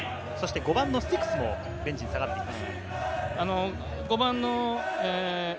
５番のスティクスもベンチに下がっています。